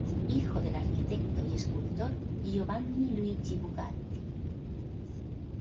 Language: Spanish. Hijo del arquitecto y escultor Giovanni Luigi Bugatti.